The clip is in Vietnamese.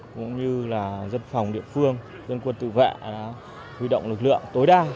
cũng như là dân phòng địa phương dân quân tự vệ đã huy động lực lượng tối đa